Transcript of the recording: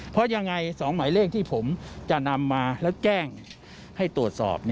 เพราะยังไง๒หมายเลขที่ผมจะนำมาแล้วแจ้งให้ตรวจสอบ